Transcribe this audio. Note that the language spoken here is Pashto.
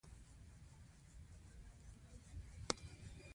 هغوئ په تاو راتاو تونل کې روان وو.